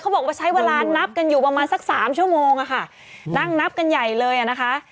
บอกว่าใช้เวลานับกันอยู่ประมาณสักสามชั่วโมงอะค่ะนั่งนับกันใหญ่เลยอ่ะนะคะ